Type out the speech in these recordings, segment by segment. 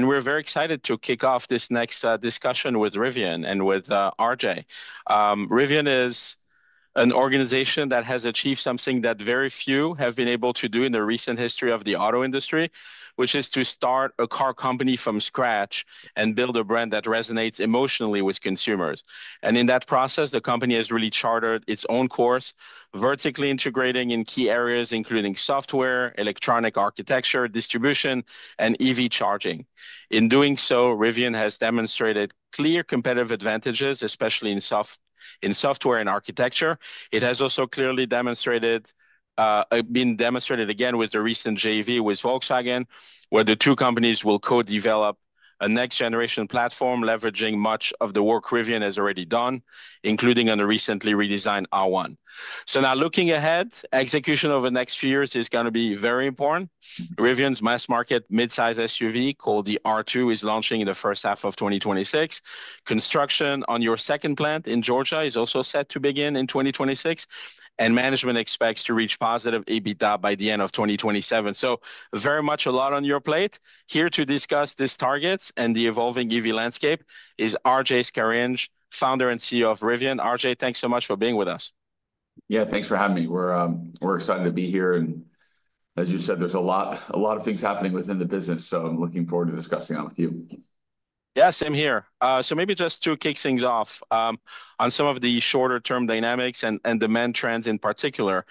We're very excited to kick off this next discussion with Rivian and with RJ. Rivian is an organization that has achieved something that very few have been able to do in the recent history of the auto industry, which is to start a car company from scratch and build a brand that resonates emotionally with consumers. In that process, the company has really chartered its own course, vertically integrating in key areas including software, electronic architecture, distribution, and EV charging. In doing so, Rivian has demonstrated clear competitive advantages, especially in software and architecture. It has also clearly been demonstrated again with the recent JV with Volkswagen, where the two companies will co-develop a next-generation platform leveraging much of the work Rivian has already done, including on the recently redesigned R1. Now looking ahead, execution over the next few years is going to be very important. Rivian's mass-market midsize SUV called the R2 is launching in the first half of 2026. Construction on your second plant in Georgia is also set to begin in 2026, and management expects to reach positive EBITDA by the end of 2027. Very much a lot on your plate. Here to discuss these targets and the evolving EV landscape is RJ Scaringe, founder and CEO of Rivian. RJ, thanks so much for being with us. Yeah, thanks for having me. We're excited to be here. As you said, there's a lot of things happening within the business, so I'm looking forward to discussing them with you. Yeah, same here. Maybe just to kick things off on some of the shorter-term dynamics and demand trends in particular,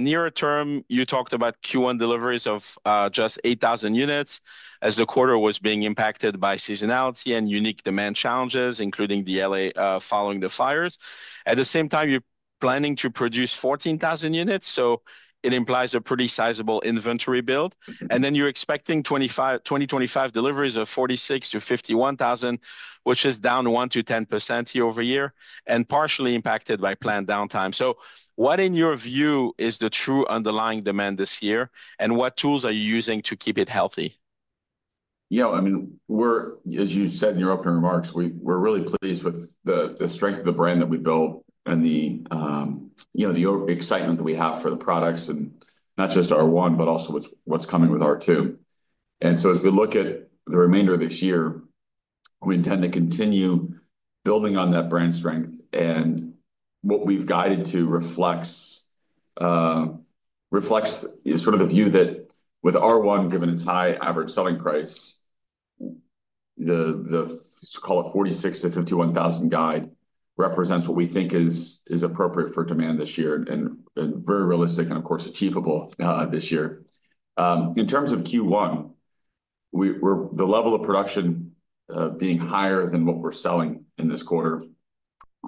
nearer term, you talked about Q1 deliveries of just 8,000 units as the quarter was being impacted by seasonality and unique demand challenges, including LA following the fires. At the same time, you're planning to produce 14,000 units, so it implies a pretty sizable inventory build. You are expecting 2025 deliveries of 46,000 to 51,000, which is down 1%-10% year over year and partially impacted by planned downtime. What, in your view, is the true underlying demand this year, and what tools are you using to keep it healthy? Yeah, I mean, we're, as you said in your opening remarks, we're really pleased with the strength of the brand that we built and the excitement that we have for the products and not just R1, but also what's coming with R2. As we look at the remainder of this year, we intend to continue building on that brand strength. What we've guided to reflects sort of the view that with R1, given its high average selling price, the, call it $46,000 to $51,000 guide represents what we think is appropriate for demand this year and very realistic and, of course, achievable this year. In terms of Q1, the level of production being higher than what we're selling in this quarter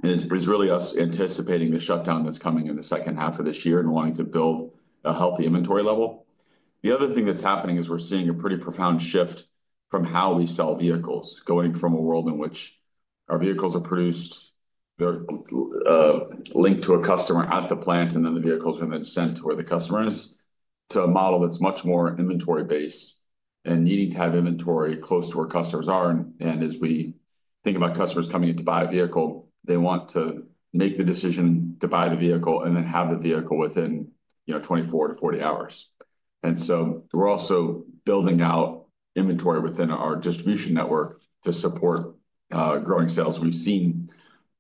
is really us anticipating the shutdown that's coming in the second half of this year and wanting to build a healthy inventory level. The other thing that's happening is we're seeing a pretty profound shift from how we sell vehicles, going from a world in which our vehicles are produced, they're linked to a customer at the plant, and then the vehicles are then sent to where the customer is, to a model that's much more inventory-based and needing to have inventory close to where customers are. As we think about customers coming in to buy a vehicle, they want to make the decision to buy the vehicle and then have the vehicle within 24-40 hours. We are also building out inventory within our distribution network to support growing sales. We've seen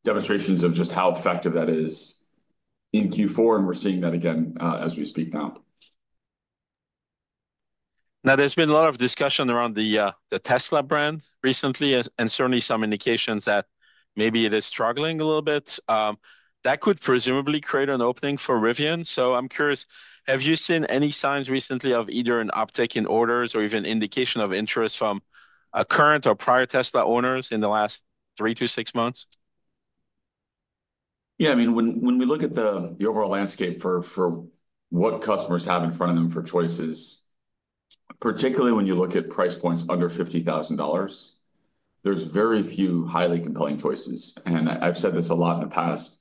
demonstrations of just how effective that is in Q4, and we're seeing that again as we speak now. Now, there's been a lot of discussion around the Tesla brand recently and certainly some indications that maybe it is struggling a little bit. That could presumably create an opening for Rivian. I'm curious, have you seen any signs recently of either an uptick in orders or even indication of interest from current or prior Tesla owners in the last three to six months? Yeah, I mean, when we look at the overall landscape for what customers have in front of them for choices, particularly when you look at price points under $50,000, there's very few highly compelling choices. I've said this a lot in the past,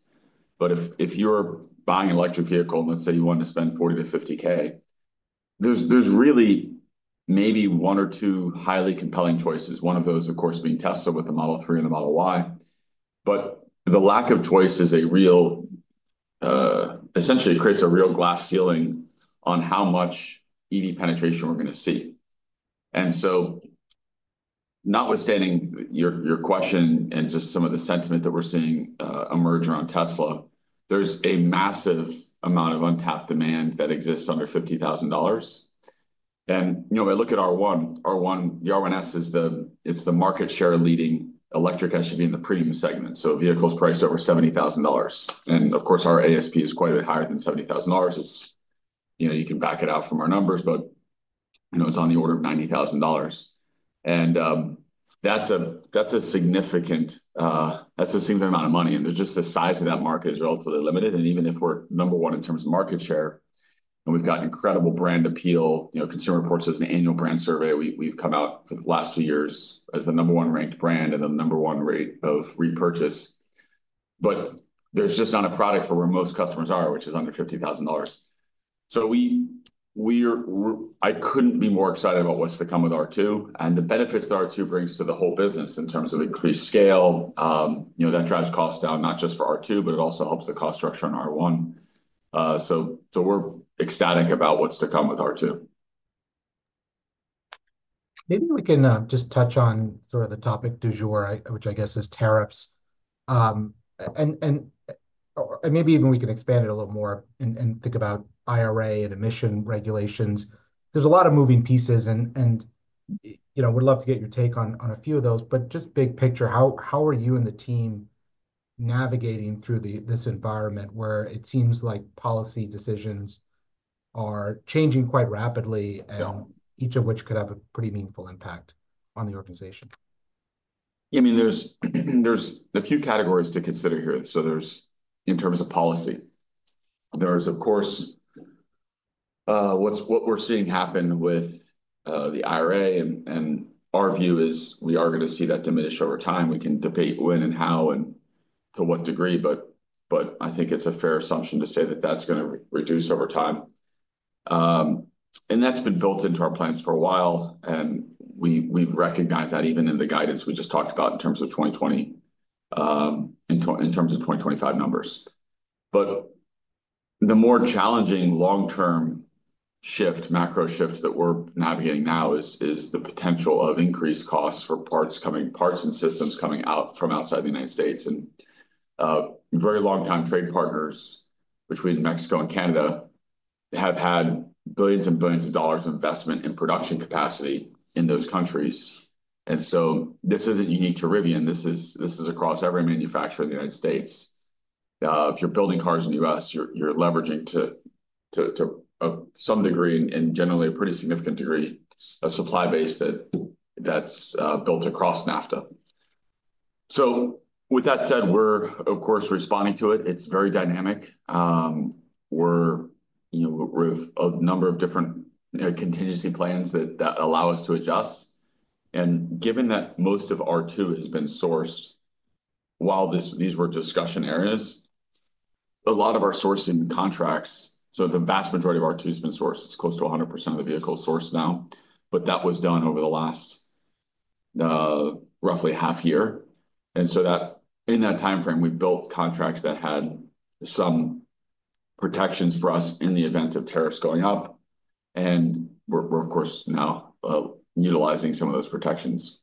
but if you're buying an electric vehicle and let's say you want to spend $40,000 to $50,000, there's really maybe one or two highly compelling choices, one of those, of course, being Tesla with the Model 3 and the Model Y. The lack of choice essentially creates a real glass ceiling on how much EV penetration we're going to see. Notwithstanding your question and just some of the sentiment that we're seeing emerge around Tesla, there's a massive amount of untapped demand that exists under $50,000. I look at R1, the R1S, it's the market share leading electric SUV in the premium segment. Vehicles priced over $70,000. Of course, our ASP is quite a bit higher than $70,000. You can back it out from our numbers, but it's on the order of $90,000. That's a significant amount of money. The size of that market is relatively limited. Even if we're number one in terms of market share and we've got incredible brand appeal, Consumer Reports has an annual brand survey. We've come out for the last two years as the number one ranked brand and the number one rate of repurchase. There's just not a product for where most customers are, which is under $50,000. I couldn't be more excited about what's to come with R2 and the benefits that R2 brings to the whole business in terms of increased scale that drives costs down not just for R2, but it also helps the cost structure on R1. We're ecstatic about what's to come with R2. Maybe we can just touch on sort of the topic du jour, which I guess is tariffs. Maybe even we can expand it a little more and think about IRA and emission regulations. There's a lot of moving pieces, and we'd love to get your take on a few of those. Just big picture, how are you and the team navigating through this environment where it seems like policy decisions are changing quite rapidly and each of which could have a pretty meaningful impact on the organization? Yeah, I mean, there's a few categories to consider here. In terms of policy, there's, of course, what we're seeing happen with the IRA. Our view is we are going to see that diminish over time. We can debate when and how and to what degree, but I think it's a fair assumption to say that that's going to reduce over time. That's been built into our plans for a while. We've recognized that even in the guidance we just talked about in terms of 2020, in terms of 2025 numbers. The more challenging long-term shift, macro shift that we're navigating now is the potential of increased costs for parts and systems coming out from outside the United States. Very long-time trade partners between Mexico and Canada have had billions and billions of dollars of investment in production capacity in those countries. This is not unique to Rivian. This is across every manufacturer in the United States. If you're building cars in the U.S., you're leveraging to some degree and generally a pretty significant degree a supply base that's built across NAFTA. With that said, we're, of course, responding to it. It's very dynamic. We're with a number of different contingency plans that allow us to adjust. Given that most of R2 has been sourced, while these were discussion areas, a lot of our sourcing contracts, so the vast majority of R2 has been sourced. It's close to 100% of the vehicles sourced now, but that was done over the last roughly half year. In that timeframe, we built contracts that had some protections for us in the event of tariffs going up. We're, of course, now utilizing some of those protections.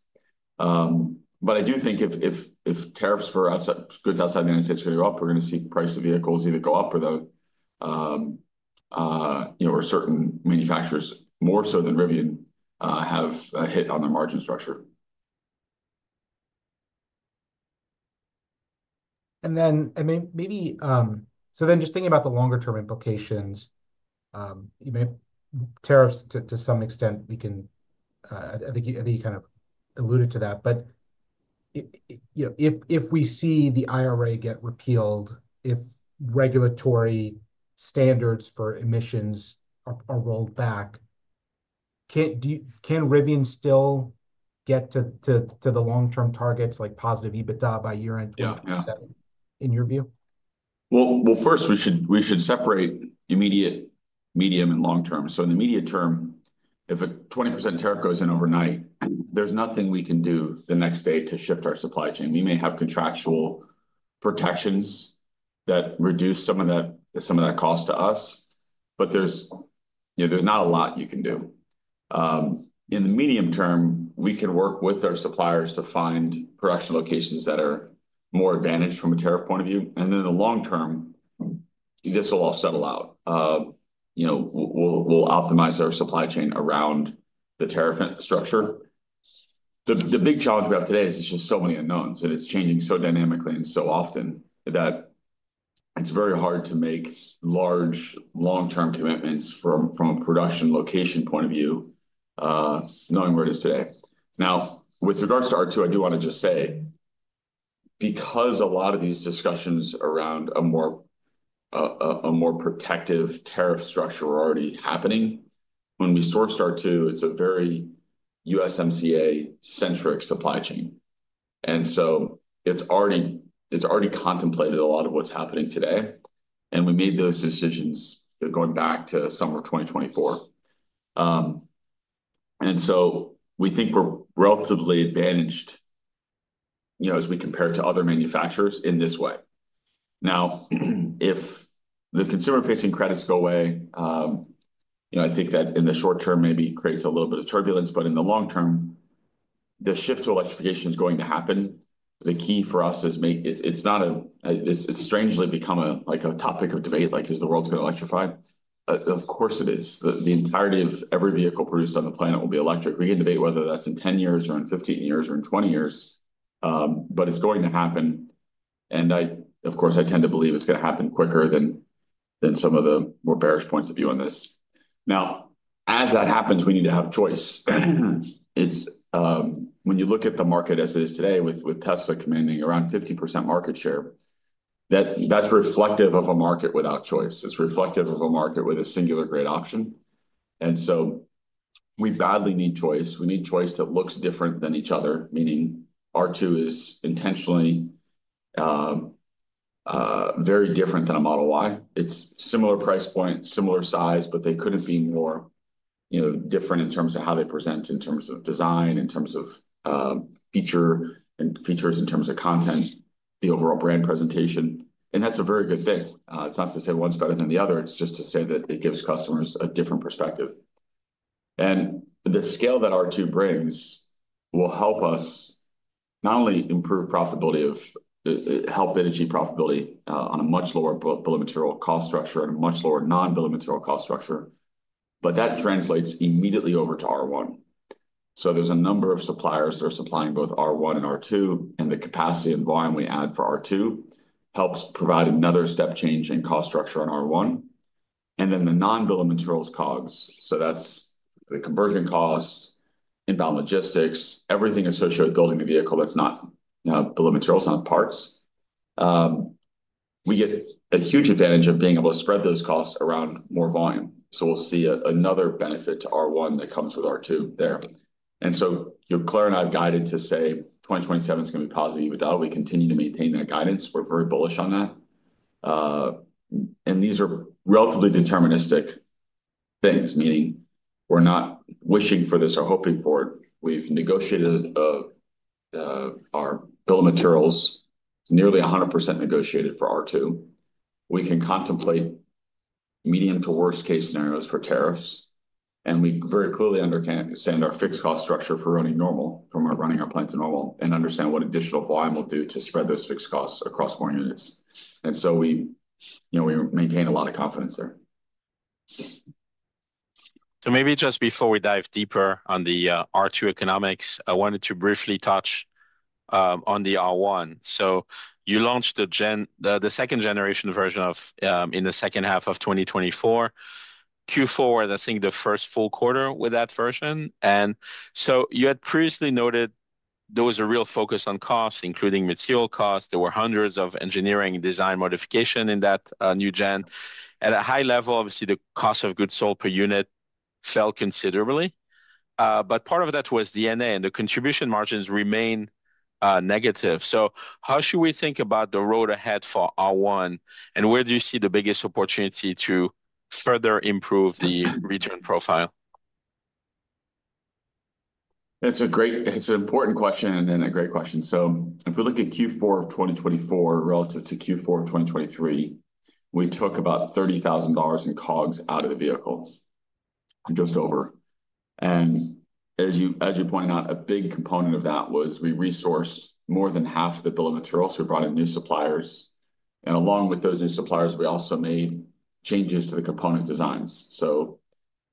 I do think if tariffs for goods outside the United States are going to go up, we're going to see the price of vehicles either go up or certain manufacturers, more so than Rivian, have a hit on their margin structure. Maybe just thinking about the longer-term implications, tariffs to some extent, I think you kind of alluded to that. If we see the IRA get repealed, if regulatory standards for emissions are rolled back, can Rivian still get to the long-term targets like positive EBITDA by year-end 2027 in your view? First, we should separate immediate, medium, and long term. In the immediate term, if a 20% tariff goes in overnight, there's nothing we can do the next day to shift our supply chain. We may have contractual protections that reduce some of that cost to us, but there's not a lot you can do. In the medium term, we can work with our suppliers to find production locations that are more advantaged from a tariff point of view. In the long term, this will all settle out. We'll optimize our supply chain around the tariff structure. The big challenge we have today is there's just so many unknowns, and it's changing so dynamically and so often that it's very hard to make large long-term commitments from a production location point of view, knowing where it is today. Now, with regards to R2, I do want to just say, because a lot of these discussions around a more protective tariff structure are already happening, when we source R2, it's a very USMCA-centric supply chain. It's already contemplated a lot of what's happening today. We made those decisions going back to summer 2024. We think we're relatively advantaged as we compare to other manufacturers in this way. If the consumer-facing credits go away, I think that in the short term maybe creates a little bit of turbulence, but in the long term, the shift to electrification is going to happen. The key for us is it's strangely become a topic of debate, like is the world going to electrify? Of course, it is. The entirety of every vehicle produced on the planet will be electric. We can debate whether that's in 10 years or in 15 years or in 20 years, but it's going to happen. Of course, I tend to believe it's going to happen quicker than some of the more bearish points of view on this. Now, as that happens, we need to have choice. When you look at the market as it is today with Tesla commanding around 50% market share, that's reflective of a market without choice. It's reflective of a market with a singular great option. We badly need choice. We need choice that looks different than each other, meaning R2 is intentionally very different than a Model Y. It's a similar price point, similar size, but they couldn't be more different in terms of how they present in terms of design, in terms of features, in terms of content, the overall brand presentation. That's a very good thing. It's not to say one's better than the other. It's just to say that it gives customers a different perspective. The scale that R2 brings will help us not only improve profitability or help mitigate profitability on a much lower bill of material cost structure and a much lower non-bill of material cost structure, but that translates immediately over to R1. There are a number of suppliers that are supplying both R1 and R2, and the capacity and volume we add for R2 helps provide another step change in cost structure on R1. The non-bill of materials COGS, that's the conversion costs, inbound logistics, everything associated with building the vehicle that's not bill of materials, not parts. We get a huge advantage of being able to spread those costs around more volume. We'll see another benefit to R1 that comes with R2 there. Claire and I have guided to say 2027 is going to be positive EBITDA. We continue to maintain that guidance. We're very bullish on that. These are relatively deterministic things, meaning we're not wishing for this or hoping for it. We've negotiated our bill of materials. It's nearly 100% negotiated for R2. We can contemplate medium to worst-case scenarios for tariffs. We very clearly understand our fixed cost structure for running Normal, from running our plants to Normal, and understand what additional volume will do to spread those fixed costs across more units. We maintain a lot of confidence there. Maybe just before we dive deeper on the R2 economics, I wanted to briefly touch on the R1. You launched the second-generation version in the second half of 2024, Q4, I think the first full quarter with that version. You had previously noted there was a real focus on costs, including material costs. There were hundreds of engineering design modifications in that new gen. At a high level, obviously, the cost of goods sold per unit fell considerably. Part of that was DNA, and the contribution margins remain negative. How should we think about the road ahead for R1, and where do you see the biggest opportunity to further improve the return profile? It's an important question and a great question. If we look at Q4 of 2024 relative to Q4 of 2023, we took about $30,000 in COGS out of the vehicle, just over. As you pointed out, a big component of that was we resourced more than half of the bill of materials. We brought in new suppliers. Along with those new suppliers, we also made changes to the component designs.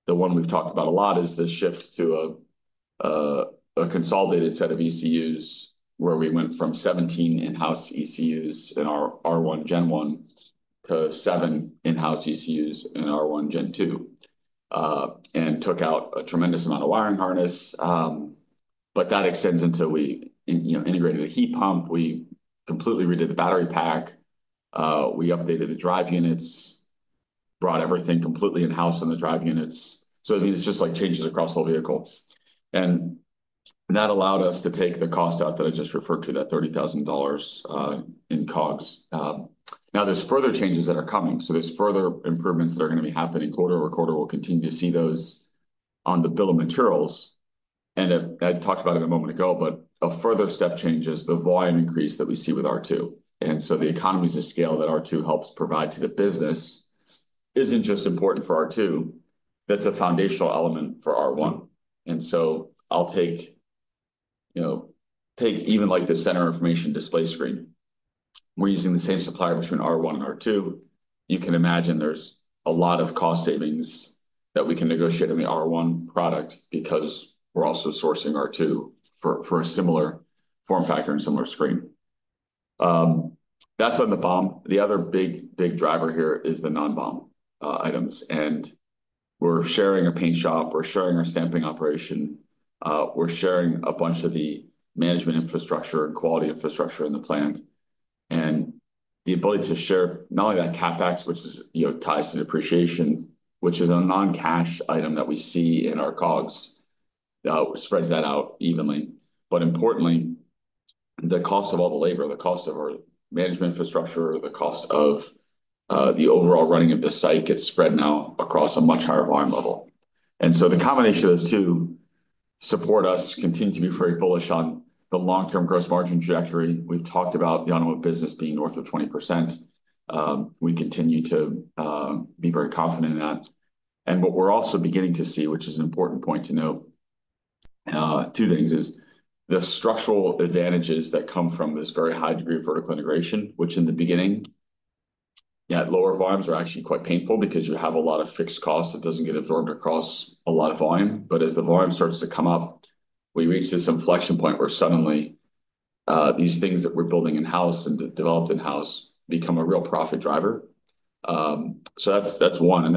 The one we've talked about a lot is the shift to a consolidated set of ECUs where we went from 17 in-house ECUs in our R1 Gen 1 to 7 in-house ECUs in R1 Gen 2 and took out a tremendous amount of wiring harness. That extends into we integrated a heat pump. We completely redid the battery pack. We updated the drive units, brought everything completely in-house on the drive units. I mean, it's just like changes across the whole vehicle. That allowed us to take the cost out that I just referred to, that $30,000 in COGS. Now, there's further changes that are coming. There's further improvements that are going to be happening. Quarter over quarter, we'll continue to see those on the bill of materials. I talked about it a moment ago, but a further step change is the volume increase that we see with R2. The economies of scale that R2 helps provide to the business isn't just important for R2. That's a foundational element for R1. I'll take even like the center information display screen. We're using the same supplier between R1 and R2. You can imagine there's a lot of cost savings that we can negotiate on the R1 product because we're also sourcing R2 for a similar form factor and similar screen. That's on the BOM. The other big driver here is the non-BOM items. We're sharing our paint shop. We're sharing our stamping operation. We're sharing a bunch of the management infrastructure and quality infrastructure in the plant. The ability to share not only that CapEx, which ties to depreciation, which is a non-cash item that we see in our COGS, spreads that out evenly. Importantly, the cost of all the labor, the cost of our management infrastructure, the cost of the overall running of the site gets spread now across a much higher volume level. The combination of those two supports us continue to be very bullish on the long-term gross margin trajectory. We've talked about the automotive business being north of 20%. We continue to be very confident in that. What we're also beginning to see, which is an important point to note, two things, is the structural advantages that come from this very high degree of vertical integration, which in the beginning, at lower volumes, are actually quite painful because you have a lot of fixed costs that do not get absorbed across a lot of volume. As the volume starts to come up, we reach some flexion point where suddenly these things that we're building in-house and developed in-house become a real profit driver. That is one.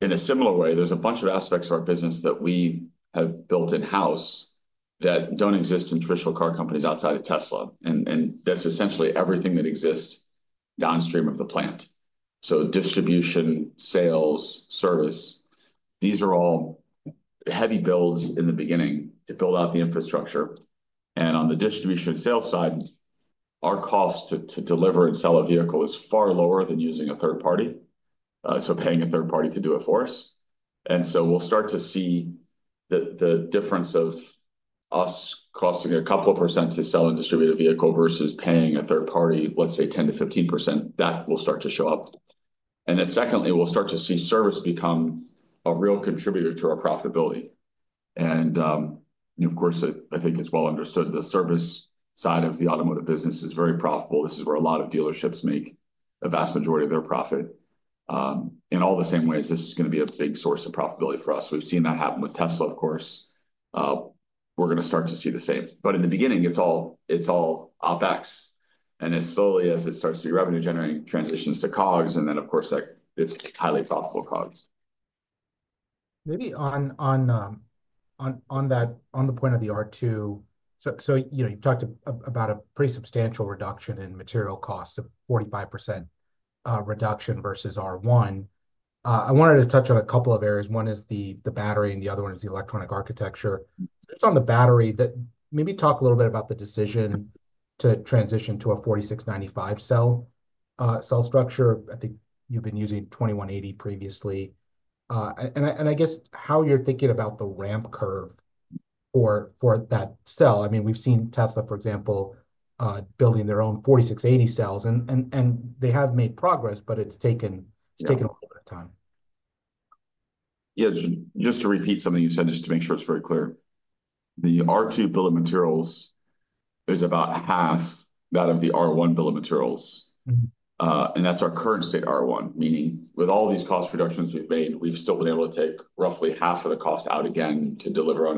In a similar way, there are a bunch of aspects of our business that we have built in-house that do not exist in traditional car companies outside of Tesla. That is essentially everything that exists downstream of the plant. Distribution, sales, service, these are all heavy builds in the beginning to build out the infrastructure. On the distribution and sales side, our cost to deliver and sell a vehicle is far lower than using a third party, so paying a third party to do it for us. We will start to see the difference of us costing a couple of percent to sell and distribute a vehicle versus paying a third party, let's say, 10-15%. That will start to show up. Secondly, we will start to see service become a real contributor to our profitability. Of course, I think it is well understood the service side of the automotive business is very profitable. This is where a lot of dealerships make the vast majority of their profit. In all the same ways, this is going to be a big source of profitability for us. We've seen that happen with Tesla, of course. We're going to start to see the same. In the beginning, it's all OpEx. As slowly as it starts to be revenue-generating, it transitions to COGS. Of course, it's highly profitable COGS. Maybe on that, on the point of the R2, you've talked about a pretty substantial reduction in material cost, a 45% reduction versus R1. I wanted to touch on a couple of areas. One is the battery, and the other one is the electronic architecture. It's on the battery that maybe talk a little bit about the decision to transition to a 4695 cell structure. I think you've been using 2180 previously. I guess how you're thinking about the ramp curve for that cell. I mean, we've seen Tesla, for example, building their own 4680 cells, and they have made progress, but it's taken a little bit of time. Yeah. Just to repeat something you said, just to make sure it's very clear. The R2 bill of materials is about half that of the R1 bill of materials. That's our current state R1, meaning with all these cost reductions we've made, we've still been able to take roughly half of the cost out again to deliver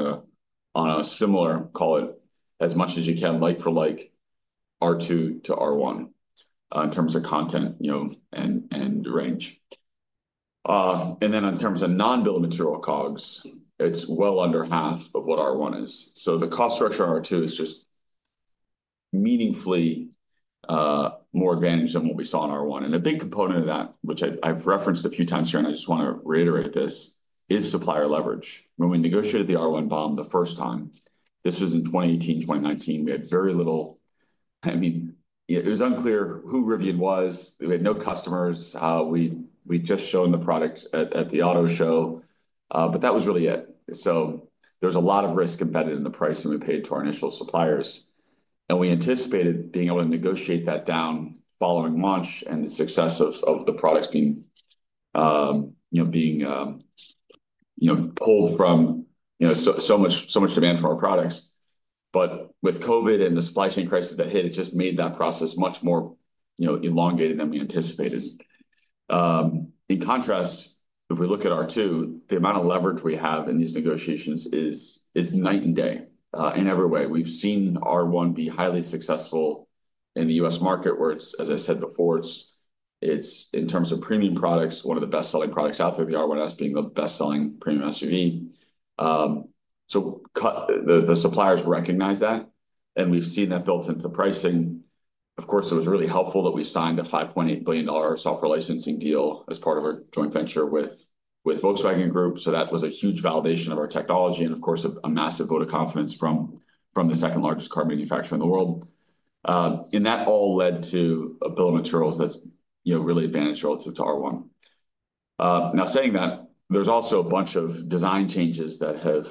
on a similar, call it as much as you can like for like R2 to R1 in terms of content and range. In terms of non-bill of material COGS, it's well under half of what R1 is. The cost structure on R2 is just meaningfully more advantageous than what we saw on R1. A big component of that, which I've referenced a few times here, and I just want to reiterate this, is supplier leverage. When we negotiated the R1 BOM the first time, this was in 2018, 2019. We had very little. I mean, it was unclear who Rivian was. We had no customers. We'd just shown the product at the auto show, but that was really it. There was a lot of risk embedded in the price that we paid to our initial suppliers. We anticipated being able to negotiate that down following launch and the success of the products being pulled from so much demand for our products. With COVID and the supply chain crisis that hit, it just made that process much more elongated than we anticipated. In contrast, if we look at R2, the amount of leverage we have in these negotiations is night and day in every way. We've seen R1 be highly successful in the U.S. market, where it's, as I said before, in terms of premium products, one of the best-selling products out there, the R1S being the best-selling premium SUV. The suppliers recognize that, and we've seen that built into pricing. Of course, it was really helpful that we signed a $5.8 billion software licensing deal as part of our joint venture with Volkswagen Group. That was a huge validation of our technology and, of course, a massive vote of confidence from the second largest car manufacturer in the world. That all led to a bill of materials that's really advantageous relative to R1. Now, saying that, there's also a bunch of design changes that have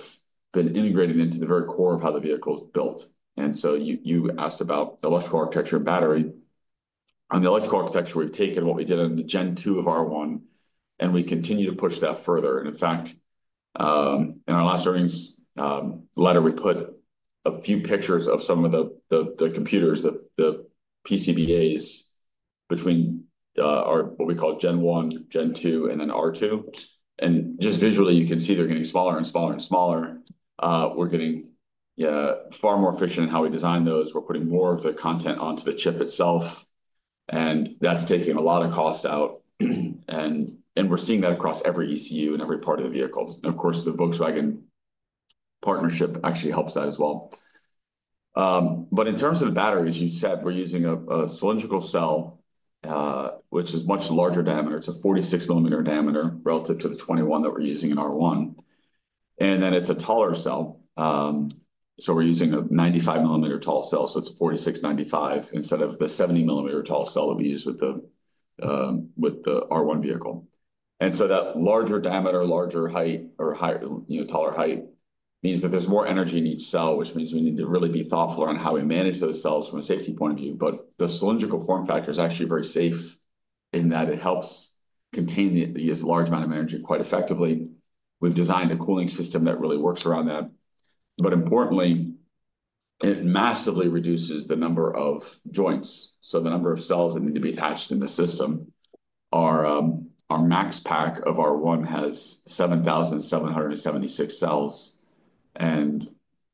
been integrated into the very core of how the vehicle is built. You asked about the electrical architecture and battery. On the electrical architecture, we've taken what we did on the Gen 2 of R1, and we continue to push that further. In fact, in our last earnings letter, we put a few pictures of some of the computers, the PCBAs between what we call Gen 1, Gen 2, and then R2. Just visually, you can see they're getting smaller and smaller and smaller. We're getting far more efficient in how we design those. We're putting more of the content onto the chip itself. That's taking a lot of cost out. We're seeing that across every ECU and every part of the vehicle. Of course, the Volkswagen partnership actually helps that as well. In terms of the batteries, you said we're using a cylindrical cell, which is much larger diameter. It's a 46-millimeter diameter relative to the 21 that we're using in R1. It is a taller cell. We are using a 95-millimeter tall cell. It is a 4695 instead of the 70-millimeter tall cell that we use with the R1 vehicle. That larger diameter, larger height, or taller height means that there is more energy in each cell, which means we need to really be thoughtful around how we manage those cells from a safety point of view. The cylindrical form factor is actually very safe in that it helps contain this large amount of energy quite effectively. We have designed a cooling system that really works around that. Importantly, it massively reduces the number of joints. The number of cells that need to be attached in the system, our Max Pack of R1 has 7,776 cells.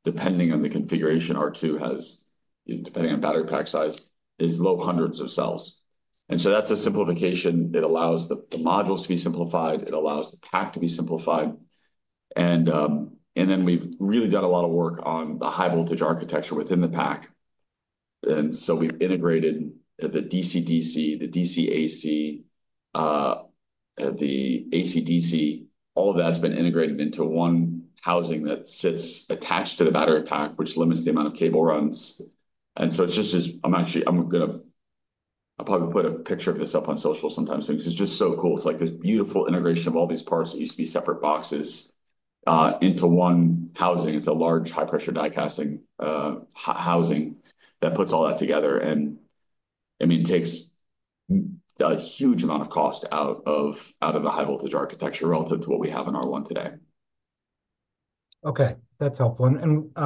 Depending on the configuration, R2 has, depending on battery pack size, is low hundreds of cells. That's a simplification. It allows the modules to be simplified. It allows the pack to be simplified. We've really done a lot of work on the high-voltage architecture within the pack. We've integrated the DCDC, the DC-AC, the AC-DC. All of that's been integrated into one housing that sits attached to the battery pack, which limits the amount of cable runs. I'm going to probably put a picture of this up on social sometimes because it's just so cool. It's like this beautiful integration of all these parts that used to be separate boxes into one housing. It's a large high-pressure die-casting housing that puts all that together. I mean, it takes a huge amount of cost out of the high-voltage architecture relative to what we have in R1 today. Okay. That's helpful.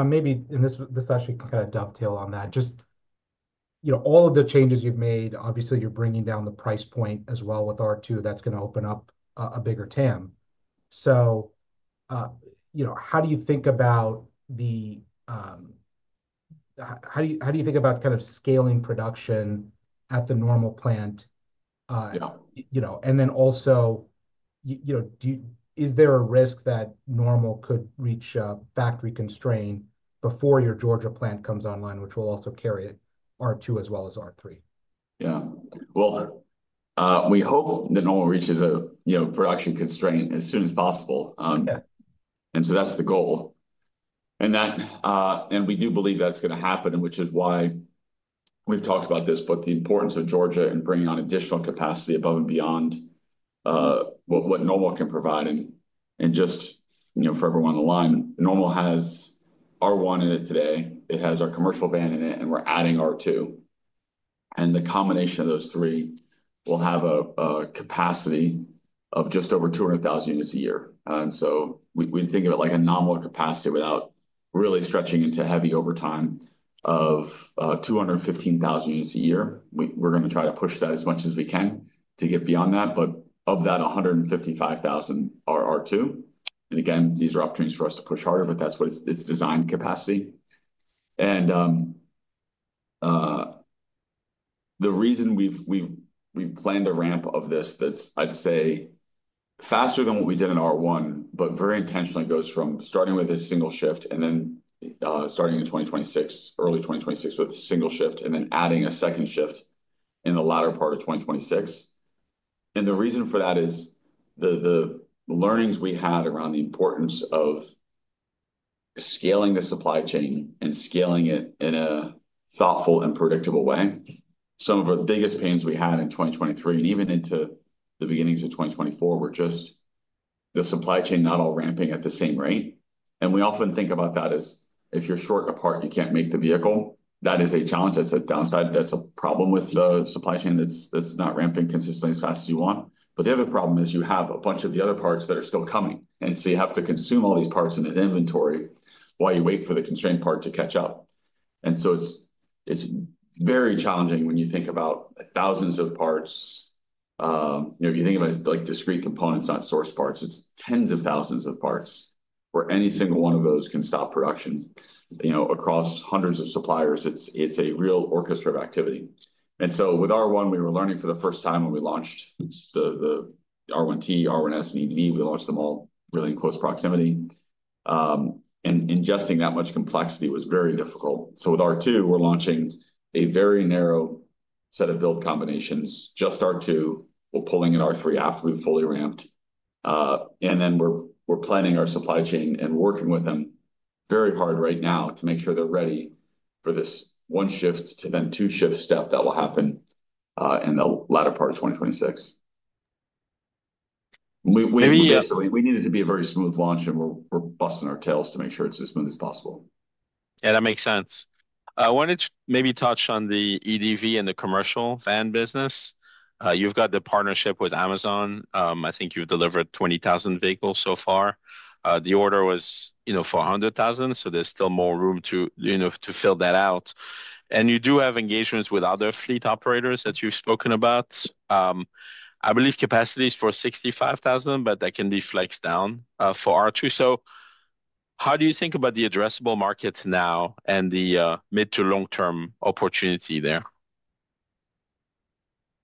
Maybe this actually can kind of dovetail on that. Just all of the changes you've made, obviously, you're bringing down the price point as well with R2. That's going to open up a bigger TAM. How do you think about the, how do you think about kind of scaling production at the Normal plant? Also, is there a risk that Normal could reach a factory constraint before your Georgia plant comes online, which will also carry R2 as well as R3? Yeah. We hope that Normal reaches a production constraint as soon as possible. That is the goal. We do believe that is going to happen, which is why we have talked about this, the importance of Georgia and bringing on additional capacity above and beyond what Normal can provide. Just for everyone on the line, Normal has R1 in it today. It has our commercial van in it, and we are adding R2. The combination of those three will have a capacity of just over 200,000 units a year. We think of it like a nominal capacity without really stretching into heavy overtime of 215,000 units a year. We are going to try to push that as much as we can to get beyond that. Of that, 155,000 are R2. These are opportunities for us to push harder, but that's what its designed capacity is. The reason we've planned a ramp of this that's, I'd say, faster than what we did in R1, but very intentionally goes from starting with a single shift and then starting in 2026, early 2026, with a single shift and then adding a second shift in the latter part of 2026. The reason for that is the learnings we had around the importance of scaling the supply chain and scaling it in a thoughtful and predictable way. Some of the biggest pains we had in 2023 and even into the beginnings of 2024 were just the supply chain not all ramping at the same rate. We often think about that as if you're short a part, you can't make the vehicle. That is a challenge. That's a downside. That's a problem with the supply chain that's not ramping consistently as fast as you want. The other problem is you have a bunch of the other parts that are still coming. You have to consume all these parts in this inventory while you wait for the constrained part to catch up. It's very challenging when you think about thousands of parts. If you think about discrete components, not source parts, it's tens of thousands of parts where any single one of those can stop production. Across hundreds of suppliers, it's a real orchestra of activity. With R1, we were learning for the first time when we launched the R1T, R1S, and EDV. We launched them all really in close proximity. Ingesting that much complexity was very difficult. With R2, we're launching a very narrow set of build combinations, just R2. We're pulling in R3 after we've fully ramped. We are planning our supply chain and working with them very hard right now to make sure they're ready for this one shift to then two shift step that will happen in the latter part of 2026. We need it to be a very smooth launch, and we're busting our tails to make sure it's as smooth as possible. Yeah, that makes sense. I wanted to maybe touch on the EDV and the commercial van business. You've got the partnership with Amazon. I think you've delivered 20,000 vehicles so far. The order was 400,000, so there's still more room to fill that out. You do have engagements with other fleet operators that you've spoken about. I believe capacity is for 65,000, but that can be flexed down for R2. How do you think about the addressable markets now and the mid to long-term opportunity there?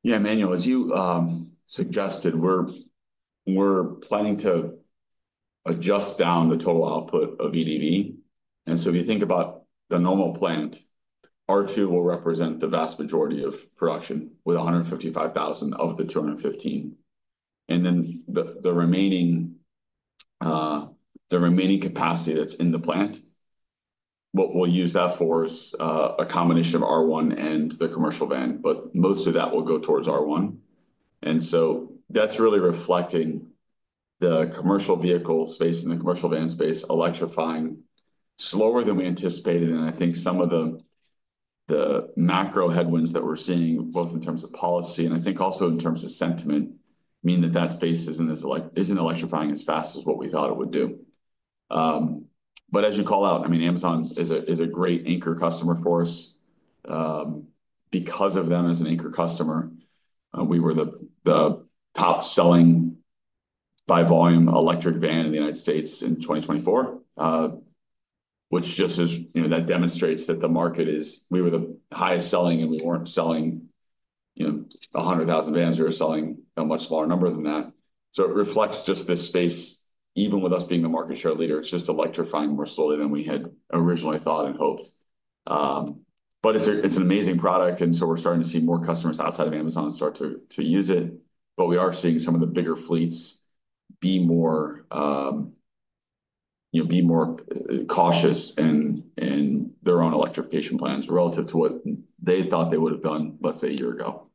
Yeah, Emmanuel, as you suggested, we're planning to adjust down the total output of EDV. If you think about the Normal plant, R2 will represent the vast majority of production with 155,000 of the 215. The remaining capacity that's in the plant, what we'll use that for is a combination of R1 and the commercial van, but most of that will go towards R1. That is really reflecting the commercial vehicle space and the commercial van space electrifying slower than we anticipated. I think some of the macro headwinds that we're seeing, both in terms of policy and I think also in terms of sentiment, mean that that space isn't electrifying as fast as what we thought it would do. As you call out, I mean, Amazon is a great anchor customer for us. Because of them as an anchor customer, we were the top selling by volume electric van in the United States in 2024, which just demonstrates that the market is we were the highest selling, and we were not selling 100,000 vans. We were selling a much smaller number than that. It reflects just this space, even with us being the market share leader, it is just electrifying more slowly than we had originally thought and hoped. It is an amazing product, and we are starting to see more customers outside of Amazon start to use it. We are seeing some of the bigger fleets be more cautious in their own electrification plans relative to what they thought they would have done, let's say, a year ago.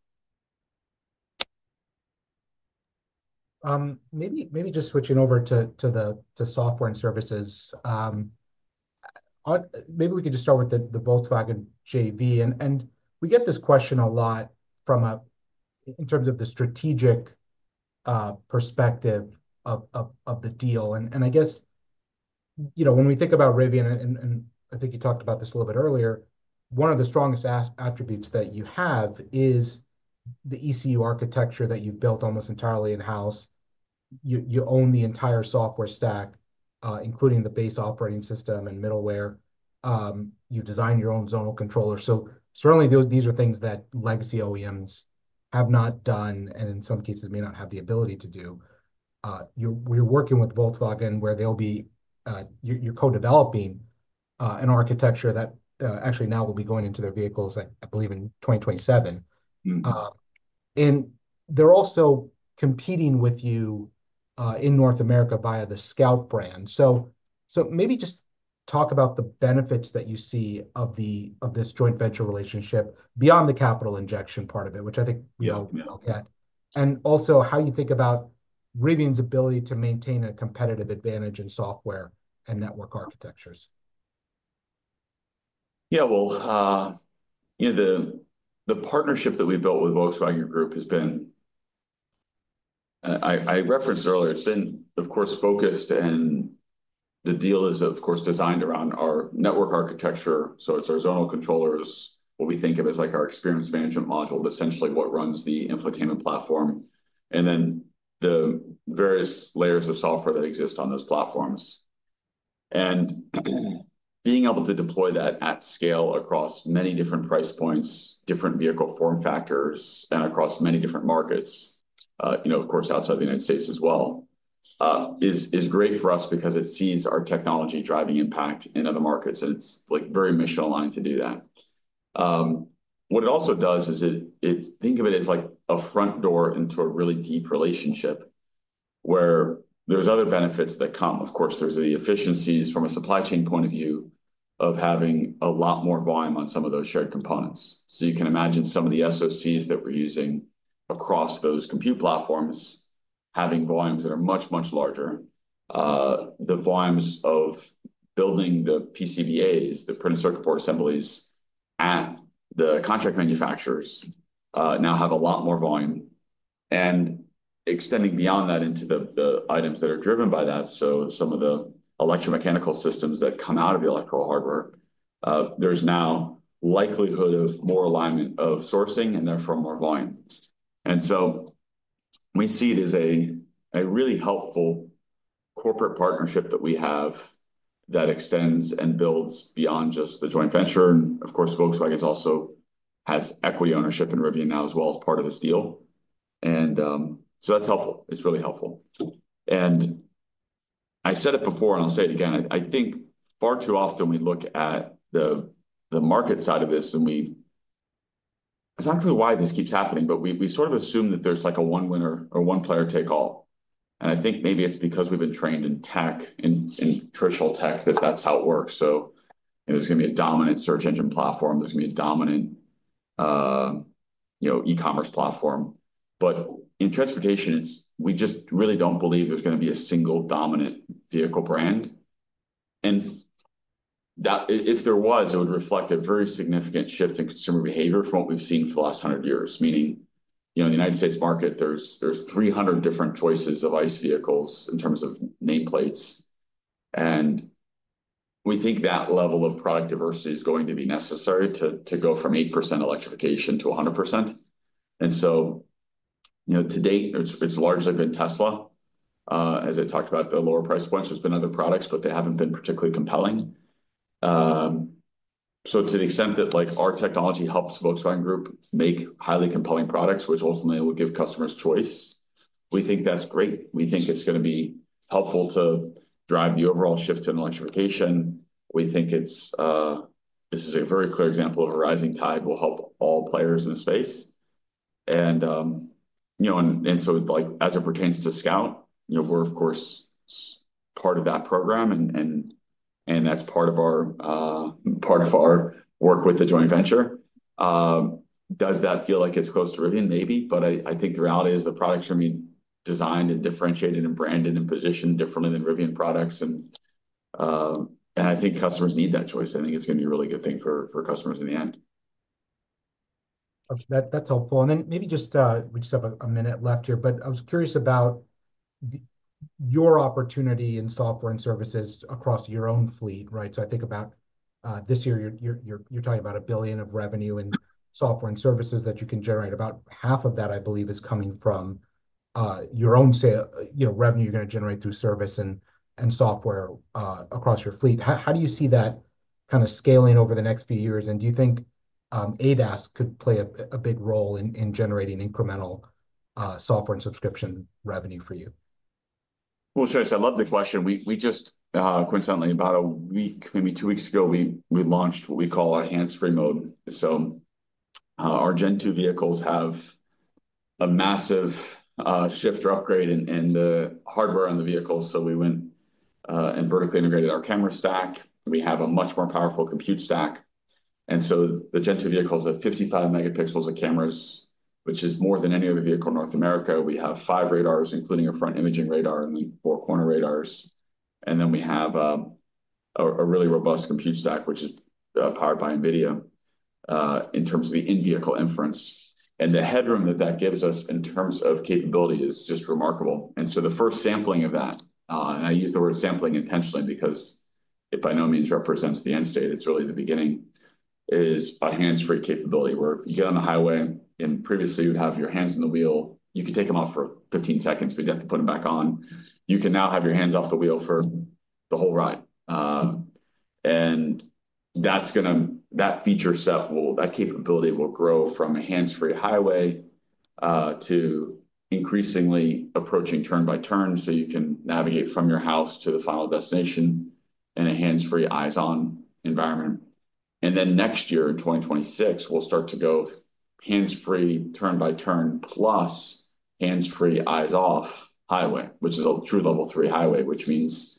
Maybe just switching over to software and services, maybe we could just start with the Volkswagen JV. We get this question a lot in terms of the strategic perspective of the deal. I guess when we think about Rivian, and I think you talked about this a little bit earlier, one of the strongest attributes that you have is the ECU architecture that you've built almost entirely in-house. You own the entire software stack, including the base operating system and middleware. You've designed your own zonal controller. Certainly, these are things that legacy OEMs have not done and in some cases may not have the ability to do. We're working with Volkswagen where you'll be co-developing an architecture that actually now will be going into their vehicles, I believe, in 2027. They're also competing with you in North America via the Scout brand. Maybe just talk about the benefits that you see of this joint venture relationship beyond the capital injection part of it, which I think we all get. Also, how you think about Rivian's ability to maintain a competitive advantage in software and network architectures. Yeah, the partnership that we've built with Volkswagen Group has been, I referenced earlier. It's been, of course, focused, and the deal is, of course, designed around our network architecture. So it's our zonal controllers, what we think of as our experience management module, but essentially what runs the infotainment platform, and then the various layers of software that exist on those platforms. Being able to deploy that at scale across many different price points, different vehicle form factors, and across many different markets, of course, outside the United States as well, is great for us because it sees our technology driving impact in other markets. It is very mission-aligned to do that. What it also does is think of it as a front door into a really deep relationship where there's other benefits that come. Of course, there's the efficiencies from a supply chain point of view of having a lot more volume on some of those shared components. You can imagine some of the SoCs that we're using across those compute platforms having volumes that are much, much larger. The volumes of building the PCBAs, the printed circuit board assemblies at the contract manufacturers now have a lot more volume. Extending beyond that into the items that are driven by that, some of the electromechanical systems that come out of the electrical hardware, there's now likelihood of more alignment of sourcing and therefore more volume. We see it as a really helpful corporate partnership that we have that extends and builds beyond just the joint venture. Volkswagen also has equity ownership in Rivian now as well as part of this deal. That's helpful. It's really helpful. I said it before, and I'll say it again. I think far too often we look at the market side of this and we, it's not exactly why this keeps happening, but we sort of assume that there's a one-winner or one-player takeall. I think maybe it's because we've been trained in tech, in traditional tech, that that's how it works. There's going to be a dominant search engine platform. There's going to be a dominant e-commerce platform. In transportation, we just really don't believe there's going to be a single dominant vehicle brand. If there was, it would reflect a very significant shift in consumer behavior from what we've seen for the last 100 years. Meaning in the United States market, there's 300 different choices of ICE vehicles in terms of nameplates. We think that level of product diversity is going to be necessary to go from 8% electrification to 100%. To date, it's largely been Tesla, as I talked about the lower price points. There have been other products, but they haven't been particularly compelling. To the extent that our technology helps Volkswagen Group make highly compelling products, which ultimately will give customers choice, we think that's great. We think it's going to be helpful to drive the overall shift in electrification. We think this is a very clear example of a rising tide will help all players in the space. As it pertains to Scout, we're, of course, part of that program, and that's part of our work with the joint venture. Does that feel like it's close to Rivian? Maybe. I think the reality is the products are being designed and differentiated and branded and positioned differently than Rivian products. I think customers need that choice. I think it's going to be a really good thing for customers in the end. That's helpful. Maybe we just have a minute left here, but I was curious about your opportunity in software and services across your own fleet, right? I think about this year, you're talking about $1 billion of revenue in software and services that you can generate. About half of that, I believe, is coming from your own revenue you're going to generate through service and software across your fleet. How do you see that kind of scaling over the next few years? Do you think ADAS could play a big role in generating incremental software and subscription revenue for you? I love the question. We just, coincidentally, about a week, maybe two weeks ago, launched what we call our hands-free mode. Our Gen 2 vehicles have a massive shift or upgrade in the hardware on the vehicles. We went and vertically integrated our camera stack. We have a much more powerful compute stack. The Gen 2 vehicles have 55 megapixels of cameras, which is more than any other vehicle in North America. We have five radars, including a front imaging radar and then four corner radars. We have a really robust compute stack, which is powered by NVIDIA in terms of the in-vehicle inference. The headroom that that gives us in terms of capability is just remarkable. The first sampling of that, and I use the word sampling intentionally because it by no means represents the end state. It is really the beginning, is a hands-free capability where you get on the highway, and previously you'd have your hands on the wheel. You could take them off for 15 seconds, but you'd have to put them back on. You can now have your hands off the wheel for the whole ride. That feature set, that capability will grow from a hands-free highway to increasingly approaching turn-by-turn so you can navigate from your house to the final destination in a hands-free, eyes-on environment. Next year, in 2026, we'll start to go hands-free, turn-by-turn, plus hands-free, eyes-off highway, which is a true level three highway, which means,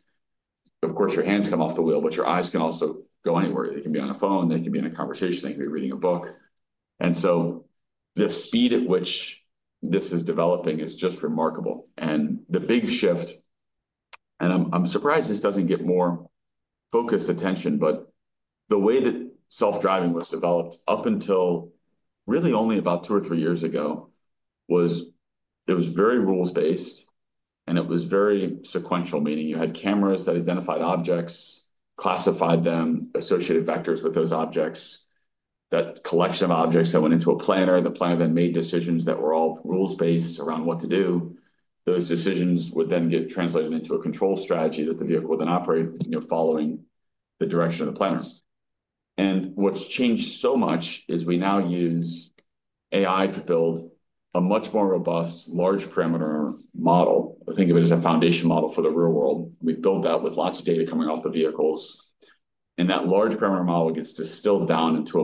of course, your hands come off the wheel, but your eyes can also go anywhere. They can be on a phone. They can be in a conversation. They can be reading a book. The speed at which this is developing is just remarkable. The big shift, and I'm surprised this does not get more focused attention, is the way that self-driving was developed up until really only about two or three years ago was it was very rules-based, and it was very sequential, meaning you had cameras that identified objects, classified them, associated vectors with those objects, that collection of objects that went into a planner, and the planner then made decisions that were all rules-based around what to do. Those decisions would then get translated into a control strategy that the vehicle would then operate following the direction of the planner. What has changed so much is we now use AI to build a much more robust large-parameter model. Think of it as a foundation model for the real world. We build that with lots of data coming off the vehicles. That large-parameter model gets distilled down into a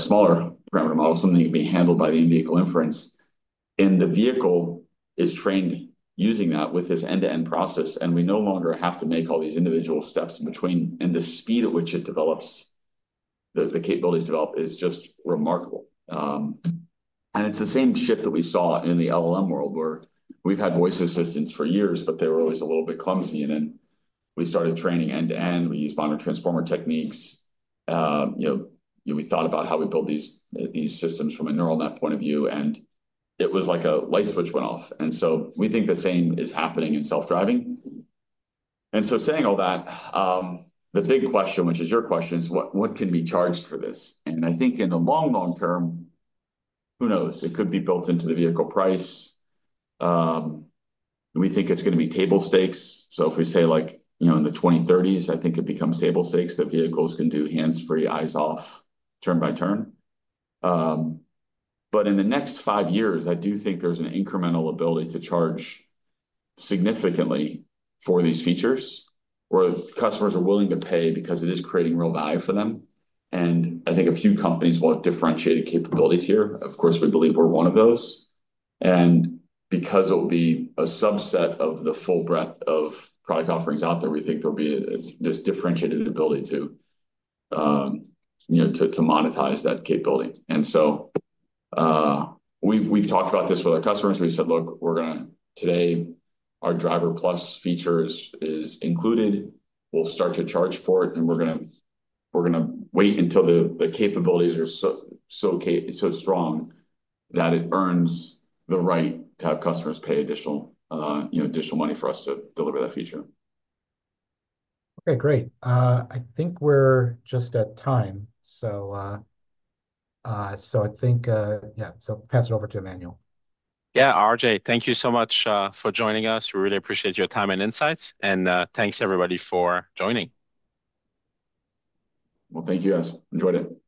smaller-parameter model, something that can be handled by the in-vehicle inference. The vehicle is trained using that with this end-to-end process. We no longer have to make all these individual steps in between. The speed at which it develops, the capabilities develop, is just remarkable. It is the same shift that we saw in the LLM world, where we've had voice assistants for years, but they were always a little bit clumsy. We started training end-to-end. We used modern transformer techniques. We thought about how we build these systems from a neural net point of view, and it was like a light switch went off. We think the same is happening in self-driving. Saying all that, the big question, which is your question, is what can be charged for this? I think in the long, long term, who knows? It could be built into the vehicle price. We think it's going to be table stakes. If we say in the 2030s, I think it becomes table stakes that vehicles can do hands-free, eyes-off, turn-by-turn. In the next five years, I do think there's an incremental ability to charge significantly for these features where customers are willing to pay because it is creating real value for them. I think a few companies will have differentiated capabilities here. Of course, we believe we're one of those. Because it will be a subset of the full breadth of product offerings out there, we think there'll be this differentiated ability to monetize that capability. We have talked about this with our customers. We said, "Look, today, our Driver+ feature is included. We will start to charge for it, and we are going to wait until the capabilities are so strong that it earns the right to have customers pay additional money for us to deliver that feature. Okay, great. I think we're just at time. I think, yeah, pass it over to Emmanuel. Yeah, RJ, thank you so much for joining us. We really appreciate your time and insights. Thank you, everybody, for joining. Thank you, guys. Enjoyed it.